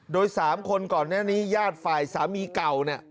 โดย๓คนก่อนนี้ญาติฝ่ายสามีเก่านะ